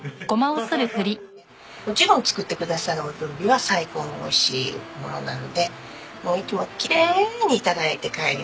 もちろん作ってくださるお料理は最高においしいものなのでいつもきれいに頂いて帰ります。